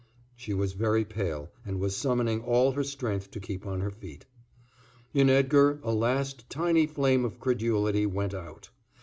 She was very pale and was summoning all her strength to keep on her feet. In Edgar, a last tiny flame of credulity went out.